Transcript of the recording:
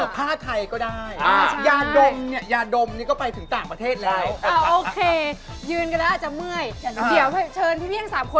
ผ้าไทยก็ได้ยาดมนี่ก็ไปถึงต่างประเทศแล้ว